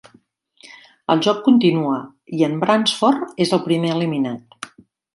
El joc continua i en Bransford és el primer eliminat.